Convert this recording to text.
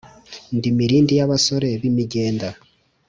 Ndi Mirindi y’abasore b’imigenda